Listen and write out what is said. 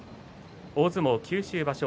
大相撲九州場所